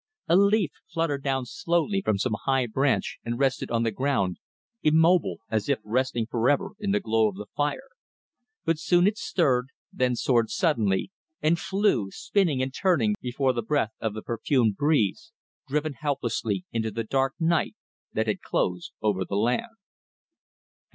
A leaf fluttered down slowly from some high branch and rested on the ground, immobile, as if resting for ever, in the glow of the fire; but soon it stirred, then soared suddenly, and flew, spinning and turning before the breath of the perfumed breeze, driven helplessly into the dark night that had closed over the land.